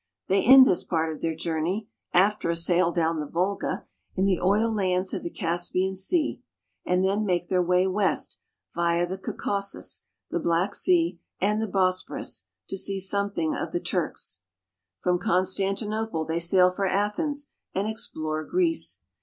They end this part of their journey, after a sail down the Volga, in the oil lands of the Caspian Sea, and then make their way west, via the Caucasus, the Black Sea, and the Bosporus, to see something of the Turks. From Constantinople they sail for Athens and explore Greece.